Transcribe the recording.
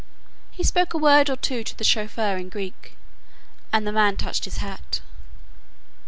He spoke a word or two to the chauffeur in Greek, and the man touched his hat.